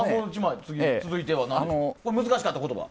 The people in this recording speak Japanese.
続いては難しかった言葉。